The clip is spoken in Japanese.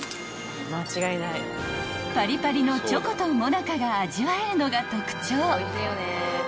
［パリパリのチョコとモナカが味わえるのが特徴］